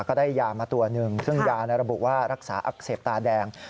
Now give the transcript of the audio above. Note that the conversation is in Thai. ก็ได้ยามาตัวหนึ่งซึ่งยาระบุว่ารักษาอักเสบตาแดง